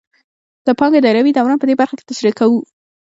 د پانګې دایروي دوران په دې برخه کې تشریح کوو